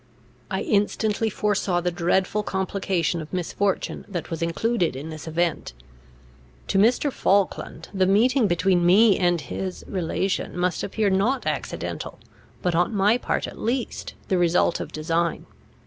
I instantly foresaw the dreadful complication of misfortune that was included in this event. To Mr. Falkland, the meeting between me and his relation must appear not accidental, but, on my part at least, the result of design.